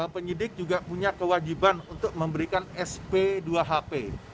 penyidik juga punya kewajiban untuk memberikan sp dua hp